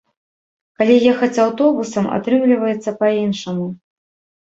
Калі ехаць аўтобусам, атрымліваецца па-іншаму.